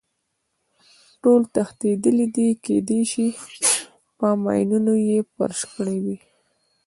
ټول تښتېدلي دي، کېدای شي په ماینونو یې فرش کړی وي.